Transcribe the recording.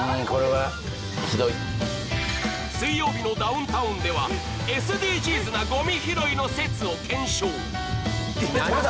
「水曜日のダウンタウン」では、ＳＤＧｓなごみ拾いの説を検証。